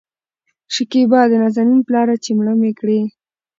شکيبا : د نازنين پلاره چې مړه مې کړې